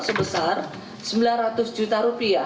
sebesar rp sembilan ratus juta